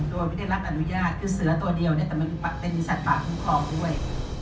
โดยไม่ได้รับอนุญาตคือเสือตัวเดียวเนี่ยแต่มันเป็นสัตว์ป่าคุ้มครองด้วย